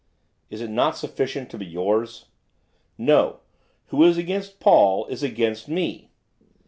'Is it not sufficient to be yours?' 'No, who is against Paul is against me.